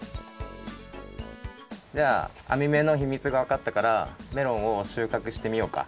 じゃああみ目のひみつがわかったからメロンを収穫してみようか。